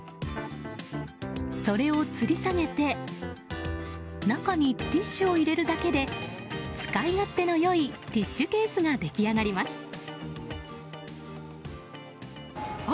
それをつり下げて中にティッシュを入れるだけで使い勝手の良いティッシュケースが出来上がります。